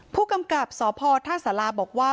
ผู้กำกับสภรธาษระบอกว่า